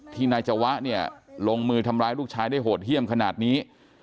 นายจวะเนี่ยลงมือทำร้ายลูกชายได้โหดเยี่ยมขนาดนี้